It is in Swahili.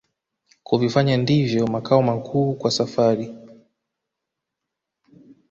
Kuvifanya ndiyo makao makuu kwa safari